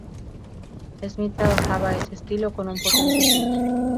Smith trabajaba ese estilo con un potente swing.